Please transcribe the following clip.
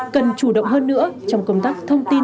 cần chủ động hơn nữa trong công tác thông tin